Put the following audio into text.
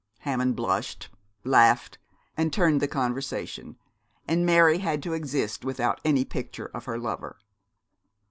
Hammond blushed, laughed, and turned the conversation, and Mary had to exist without any picture of her lover.